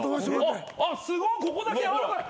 あっすごっここだけ軟らかい。